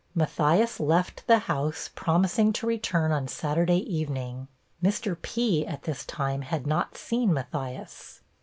Matthias left the house, promising to return on Saturday evening. Mr. P. at this time had not seen Matthias.